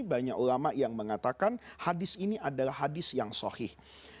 banyak ulama yang mengatakan hadis ini adalah hadis yang sohih